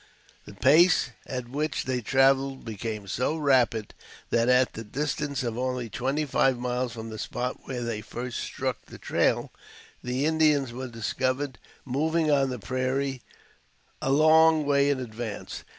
The pace at which they traveled became so rapid, that, at the distance of only twenty five miles from the spot where they first struck the trail, the Indians were discovered moving on the prairie a long way in advance.